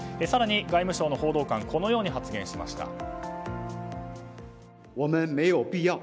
更に外務省の報道官こう発言しました。